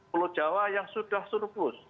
pulau jawa yang sudah surplus